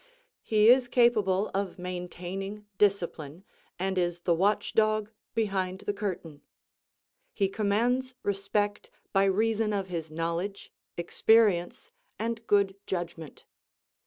He is capable of maintaining discipline, and is the watch dog behind the curtain. He commands respect by reason of his knowledge, experience and good judgment.